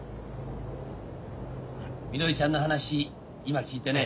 みのりちゃんの話今聞いてね。